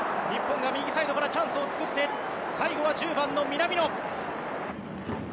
日本が右サイドからチャンスを作って最後は１０番の南野。